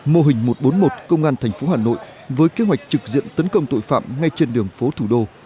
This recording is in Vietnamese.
mô hình một trăm bốn mươi một công an tp hà nội với kế hoạch trực diện tấn công tội phạm ngay trên đường phố thủ đô